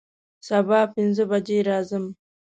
سبا پنځه بجې راځم